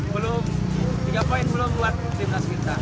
mungkin ya tiga poin belum buat timnas kita